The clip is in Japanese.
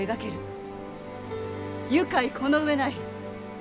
愉快この上ない！